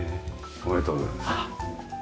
おめでとうございます。